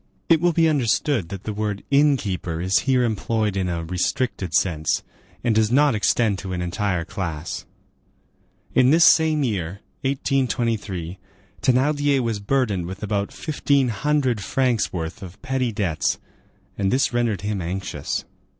It will be understood that the word inn keeper is here employed in a restricted sense, and does not extend to an entire class. In this same year, 1823, Thénardier was burdened with about fifteen hundred francs' worth of petty debts, and this rendered him anxious.